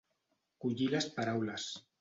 Collir les paraules.